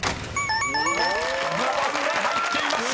［５番目入っていました！］